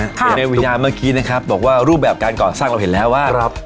อยู่ในวิญญาณเมื่อกี้นะครับบอกว่ารูปแบบการก่อสร้างเราเห็นแล้วว่า